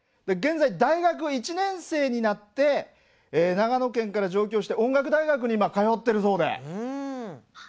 現在大学１年生になって長野県から上京して音楽大学に今通ってるそうで。